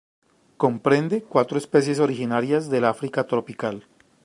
Comprende cuatro especies originarias del África tropical.